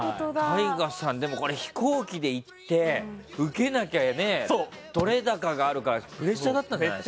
飛行機で行ってウケなきゃ取れ高あるからプレッシャーだったんじゃないですか？